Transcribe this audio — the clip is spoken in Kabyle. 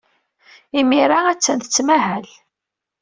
Imir-a, attan tettmahal.